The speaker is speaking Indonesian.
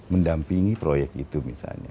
mendampingi proyek itu misalnya